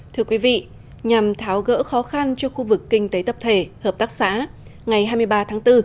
thưa quý vị nhằm tháo gỡ khó khăn cho khu vực kinh tế tập thể hợp tác xã ngày hai mươi ba tháng bốn